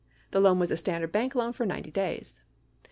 The loan was a standard bank loan for 90 days.